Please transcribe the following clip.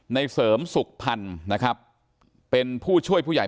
เสริมสุขพันธ์นะครับเป็นผู้ช่วยผู้ใหญ่